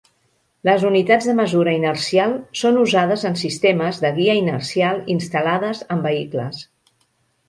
Les unitats de mesura inercial són usades en sistemes de guia inercial instal·lades en vehicles.